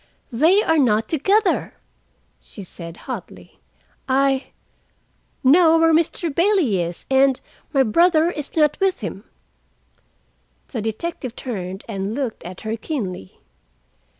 "They are not together," she said hotly. "I—know where Mr. Bailey is, and my brother is not with him." The detective turned and looked at her keenly.